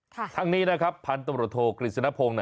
ทางนี้นะครับพาณธรรมรถโทษกลิศนพงศ์